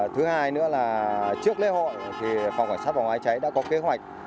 thứ hai nữa là trước lễ hội thì phòng cảnh sát phòng hóa cháy đã có kế hoạch